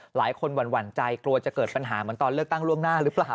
หลายคนหวั่นใจกลัวจะเกิดปัญหาเหมือนตอนเลือกตั้งล่วงหน้าหรือเปล่า